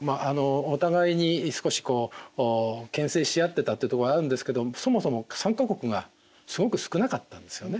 お互いに少しこうけん制し合ってたというとこがあるんですけどそもそも参加国がすごく少なかったんですよね。